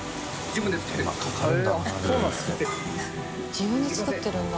自分で作ってるんだ。